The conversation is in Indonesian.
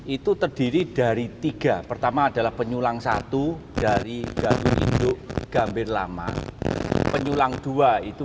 itu terdiri dari tiga pertama adalah penyulang satu dari gadu induk gambir lama penyulang dua itu